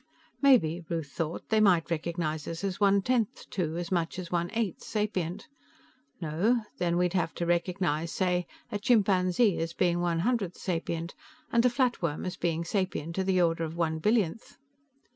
Maybe, Ruth thought, they might recognize us as one tenth to as much as one eighth sapient. No, then we'd have to recognize, say, a chimpanzee as being one one hundredth sapient, and a flatworm as being sapient to the order of one billionth.